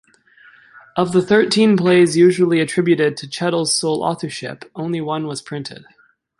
Of the thirteen plays usually attributed to Chettle's sole authorship only one was printed.